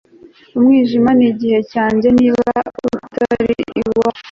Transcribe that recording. umwijima nigihe cyanjye niba utari uwacu